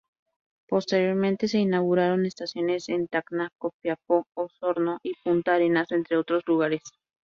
Posteriormente se inauguraron estaciones en Tacna, Copiapó, Osorno y Punta Arenas, entre otros lugares.